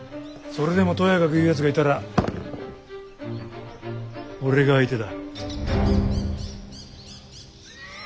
それでもとやかく言うやつがいたら俺が相手だ。